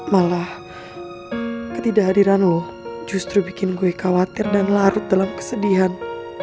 malah ketidakhadiran lo justru bikin gue khawatir dan larut dalam kesedihan